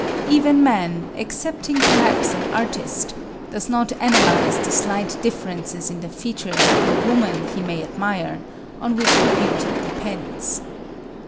Even man, excepting perhaps an artist, does not analyse the slight differences in the features of the woman whom he may admire, on which her beauty depends.